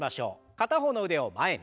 片方の腕を前に。